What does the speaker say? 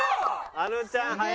あのちゃん速い。